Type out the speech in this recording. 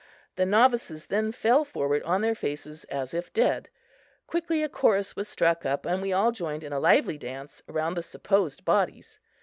The novices then fell forward on their faces as if dead. Quickly a chorus was struck up and we all joined in a lively dance around the supposed bodies.